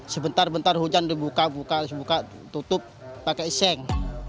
sebentar bentar hujan dibuka buka tutup pakai iseng